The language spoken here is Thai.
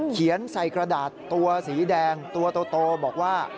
ใส่กระดาษตัวสีแดงตัวโตบอกว่า